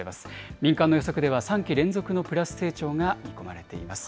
民間の予測では、３期連続のプラス成長が見込まれています。